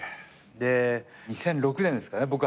で２００６年ですかね